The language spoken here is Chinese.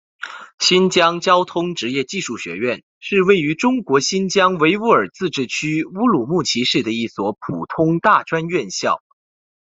新疆交通职业技术学院是位于中国新疆维吾尔自治区乌鲁木齐市的一所普通大专院校。